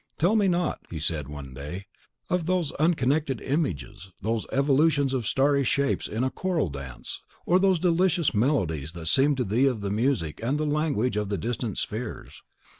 "Tell me not," he said, one day, "of those unconnected images, those evolutions of starry shapes in a choral dance, or those delicious melodies that seem to thee of the music and the language of the distant spheres.